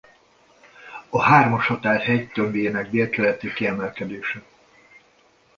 A Hármashatár-hegy tömbjének délkeleti kiemelkedése.